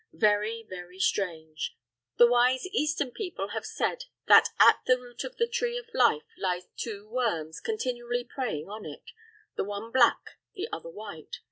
Very, very strange! The wise Eastern people have said that at the root of the Tree of Life lie two worms continually preying on it: the one black, the other white.